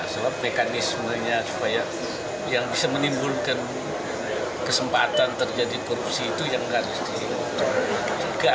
sebab mekanismenya supaya yang bisa menimbulkan kesempatan terjadi korupsi itu yang harus dilakukan